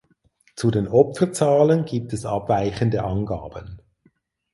Zu den Opferzahlen gibt es abweichende Angaben.